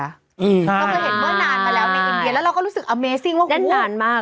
เราเคยเห็นเมื่อนานมาแล้วในอินเดียแล้วเราก็รู้สึกอเมซิ่งว่าเล่นนานมาก